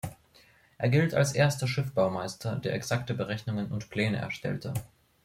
Er gilt als erster Schiffbaumeister, der exakte Berechnungen und Pläne erstellte.